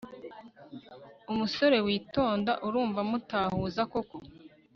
umusore witonda urumva mutahuza koko!?